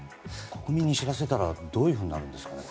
国民にしてみたらどういうふうになるんですかね。